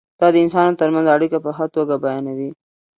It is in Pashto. دا د انسانانو ترمنځ اړیکه په ښه توګه بیانوي.